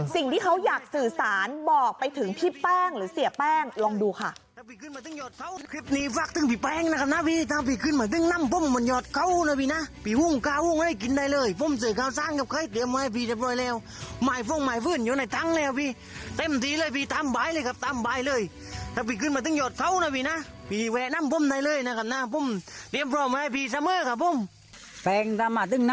สิ่งที่เขาอยากสื่อสารบอกไปถึงพี่แป้งหรือเสียแป้งลองดูค่ะ